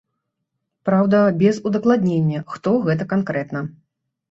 Праўда, без удакладнення, хто гэта канкрэтна.